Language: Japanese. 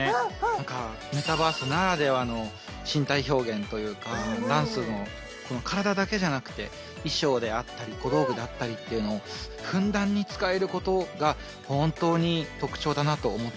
なんかメタバースならではの身体表現というかダンスの体だけじゃなくて衣装であったり小道具であったりっていうのをふんだんに使える事が本当に特徴だなと思っています。